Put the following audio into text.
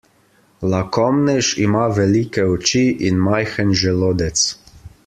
Lakomnež ima velike oči in majhen želodec.